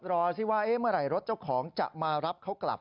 รอสิว่าเมื่อไหร่รถเจ้าของจะมารับเขากลับ